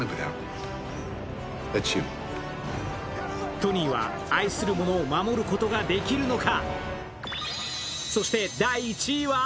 トニーは愛する者を守ることができるのか。